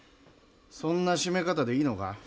そんな締め方でいいのか？